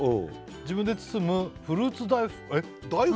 自分で包むフルーツ大福大福？